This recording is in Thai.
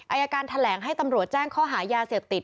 อายการแถลงให้ตำรวจแจ้งข้อหายาเสพติด